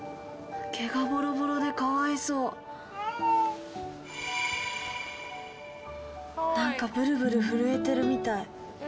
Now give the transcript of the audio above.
毛がボロボロでかわいそうなんかブルブル震えてるみたい